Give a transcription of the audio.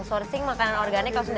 sourcing makanan organik kesulitannya